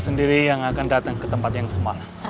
gua sendiri yang akan datang ke tempat yang semalam